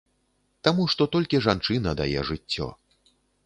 Таму што толькі жанчына дае жыццё.